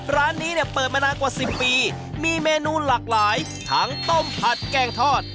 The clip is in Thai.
ร้านนี้เนี่ยเปิดมานานกว่า๑๐ปีมีเมนูหลากหลายทั้งต้มผัดแกงทอด